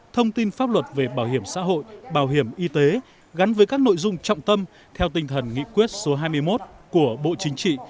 thông tin pháp luật về bảo hiểm xã hội bảo hiểm y tế gắn với các nội dung trọng tâm theo tinh thần nghị quyết số hai mươi một của bộ chính trị